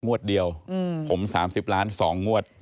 งวดเดียวผม๓๐ล้าน๒งวด